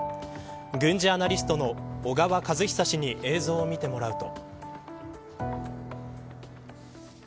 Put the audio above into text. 軍事アナリストの小川和久氏に映像を見てもらうと。